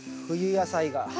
冬野菜が。